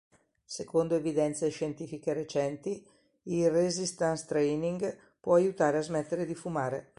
Secondo evidenze scientifiche recenti, il "resistance training" può aiutare a smettere di fumare.